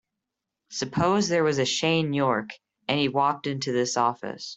Suppose there was a Shane York and he walked into this office.